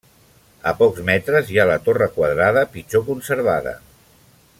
A pocs metres hi ha la torre quadrada, pitjor conservada.